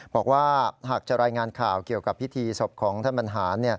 บอกว่าหากจะรายงานข่าวเกี่ยวกับพิธีศพของท่านบรรหาร